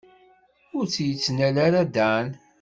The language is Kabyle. Ur tt-yettnal ara Dan.